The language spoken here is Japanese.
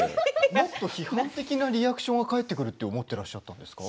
もっと批判的なリアクションが返ってくるって思ってらっしゃったんですか？